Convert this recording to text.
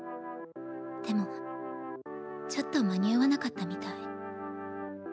でもちょっと間に合わなかったみたい。